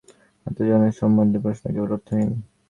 আত্মার জন্ম-মৃত্যু সম্বন্ধে প্রশ্ন একেবারে অর্থহীন।